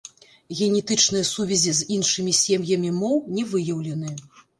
Генетычныя сувязі з іншымі сем'ямі моў не выяўлены.